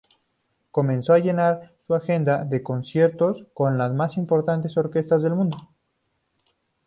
Comenzó a llenar su agenda de conciertos con las más importantes orquestas del mundo.